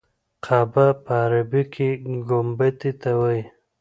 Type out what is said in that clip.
قبه په عربي کې ګنبدې ته وایي.